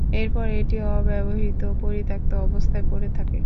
এরপর এটি অব্যবহৃত, পরিত্যাক্ত অবস্থায় পরে থাকে।